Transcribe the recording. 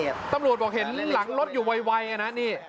ตำรวจบอกเห็นหลังรถอยู่ไวนะนี่